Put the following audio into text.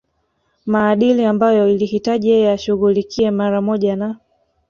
maadili ambayo ilihitaji yeye ashughulikie mara moja na